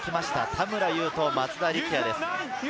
田村優と松田力也です。